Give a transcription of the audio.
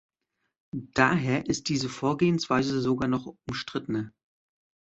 Daher ist diese Vorgehensweise sogar noch umstrittener.